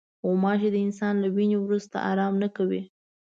غوماشې د انسان له وینې وروسته آرام نه کوي.